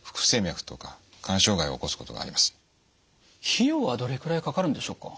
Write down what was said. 費用はどれくらいかかるんでしょうか？